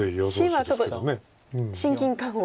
Ｃはちょっと親近感を。